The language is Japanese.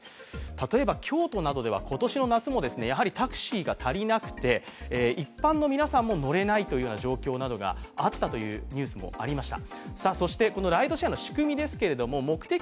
例えば京都などでも、タクシーの台数が足りなくて、一般の皆さんなども乗れない状況があったというニュースもありました。